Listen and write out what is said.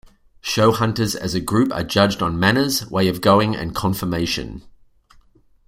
Show hunters as a group are judged on manners, way of going, and conformation.